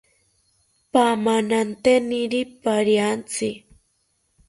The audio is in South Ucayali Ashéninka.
Pamananteniri pariantzi